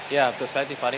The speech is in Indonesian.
ya betul sekali tivari